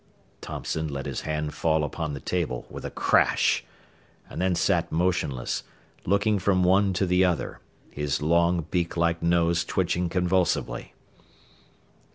Thompson let his hand fall upon the table with a crash, and then sat motionless, looking from one to the other, his long, beak like nose twitching convulsively.